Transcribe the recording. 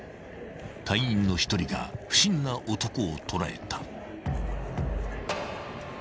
［隊員の一人が不審な男を捉えた］